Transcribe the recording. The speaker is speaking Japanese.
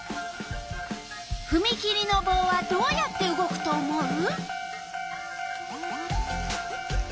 ふみ切りのぼうはどうやって動くと思う？